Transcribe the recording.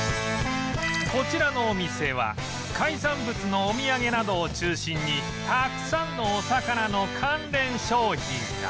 こちらのお店は海産物のお土産などを中心にたくさんのお魚の関連商品が